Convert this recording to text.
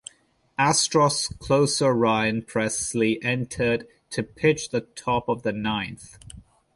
Astros closer Ryan Pressly entered to pitch the top of the ninth.